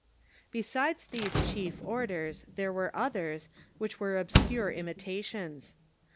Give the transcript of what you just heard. Besides these chief orders, there were others, which were obscure imitations.